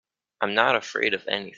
I'm not afraid of anything.